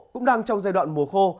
cũng đang trong giai đoạn mùa khô